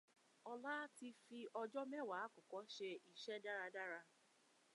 Ọlá ti fi ọjọ mẹ́wàá akọkọ ṣe iṣẹ́ dáradára.